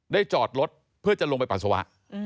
จอดรถเพื่อจะลงไปปัสสาวะ